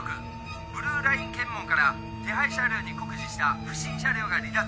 ブルーライン検問から手配車両に酷似した不審車両が離脱」